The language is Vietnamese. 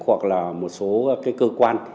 hoặc là một số cái cơ quan